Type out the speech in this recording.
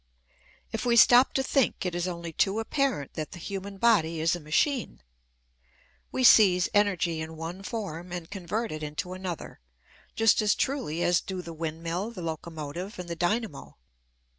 If we stop to think it is only too apparent that the human body is a machine. We seize energy in one form and convert it into another, just as truly as do the windmill, the locomotive, and the dynamo.